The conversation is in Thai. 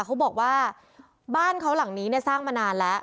เขาบอกว่าบ้านเขาหลังนี้เนี่ยสร้างมานานแล้ว